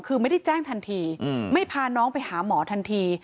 คือไม่ได้แจ้งทันทีไม่พาน้องไปหาหมอทันที